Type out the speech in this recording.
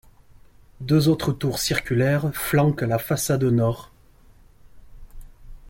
Deux autres tours circulaires flanquent la façade nord.